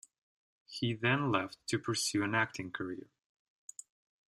He then left to pursue an acting career.